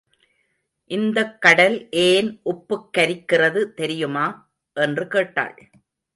இந்தக் கடல் ஏன் உப்புக் கரிக்கிறது தெரியுமா? என்று கேட்டாள்.